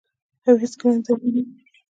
او هیڅکله نه دریږي.